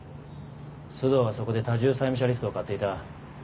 須藤はそこで多重債務者リストを買っていた。